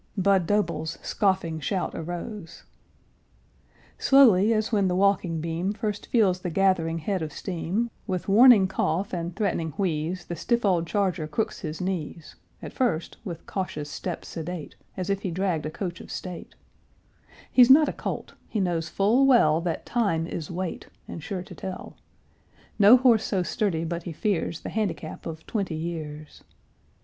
Budd Doble's scoffing shout arose. Slowly, as when the walking beam First feels the gathering head of steam, With warning cough and threatening wheeze The stiff old charger crooks his knees; At first with cautious step sedate, As if he dragged a coach of state; He's not a colt; he knows full well That time is weight and sure to tell; No horse so sturdy but he fears The handicap of twenty years.